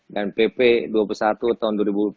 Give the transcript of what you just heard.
dan pp dua puluh satu tahun dua ribu dua puluh